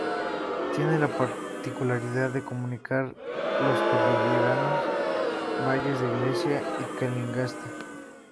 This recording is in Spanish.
Tiene la particularidad de comunicar los cordilleranos valles de Iglesia y Calingasta.